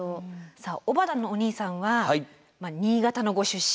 さあおばたのお兄さんは新潟のご出身。